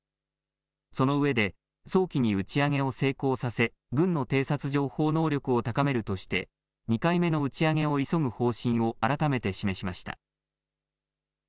そのうえで早期に打ち上げを成功させ軍の偵察情報能力を高めるとして２回目の打ち上げを急ぐ方針を改めて示しました。